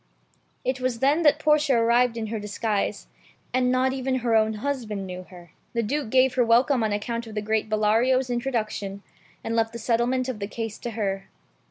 It was then that Portia arrived in her disguise, and not even her own husband knew her. The Duke gave her welcome on account of the great Bellario's introduction, and left the settlement of the case to her.